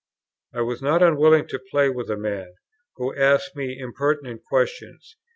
I was not unwilling to play with a man, who asked me impertinent questions.